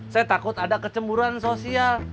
saya takut ada kecemburan sosial